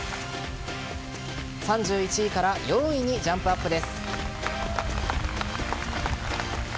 ３１位から４位にジャンプアップです。